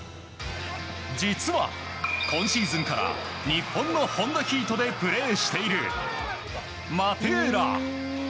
実は、今シーズンから日本のホンダヒートでプレーしているマテーラ。